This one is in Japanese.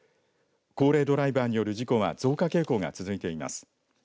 高齢ドライバーによる事故は増加傾向が続いています。